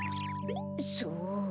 そう。